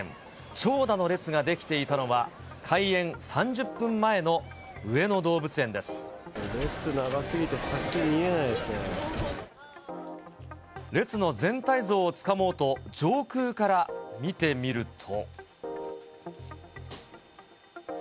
長蛇の列が出来ていたのは、列、長すぎて、咲き見えない列の全体像をつかもうと、上空から見てみると。